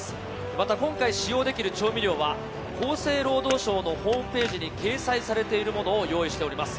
また今回、使用できる調味料は厚生労働省のホームページに掲載されているものを用意しております。